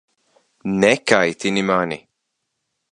Nekaitini mani!